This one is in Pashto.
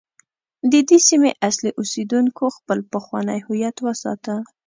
د دې سیمې اصلي اوسیدونکو خپل پخوانی هویت وساته.